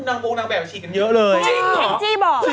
นางโบ๊คนางแบบเฉียนกันเยอะเลย